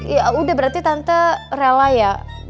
ya udah berarti tante rela ya